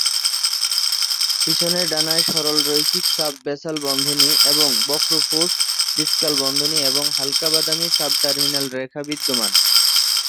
পিছনের ডানায়, সরলরৈখিক সাব-বেসাল বন্ধনী এবং বক্র পোস্ট-ডিসকাল বন্ধনী এবং হালকা বাদামী সাব টার্মিনাল রেখা বিদ্যমান।